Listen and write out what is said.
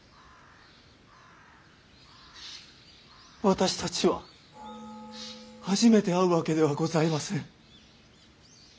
私たちは初めて会うわけではございません。